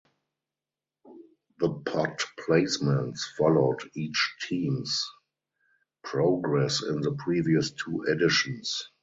The pot placements followed each teams progress in the previous two editions.